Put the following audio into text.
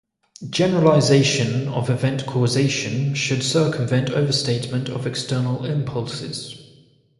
Generalization of event causation should circumvent overstatement of external impulses.